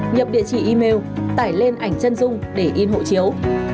nhập địa chỉ email tải lên ảnh chân dung để in hộ chiếu